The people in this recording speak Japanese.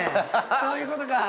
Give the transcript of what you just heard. そういうことか。